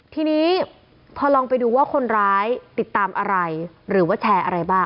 ทีนี้พอลองไปดูว่าคนร้ายติดตามอะไรหรือว่าแชร์อะไรบ้าง